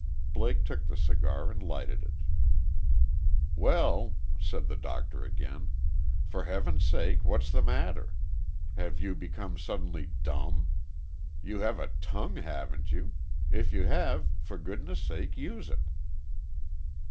Blake took the cigar, and lighted it. "Well," said the doctor, again. "For heaven's sake, what's the matter! Have you become suddenly dumb? You have a tongue, haven't you? If you have, for goodness' sake, use it."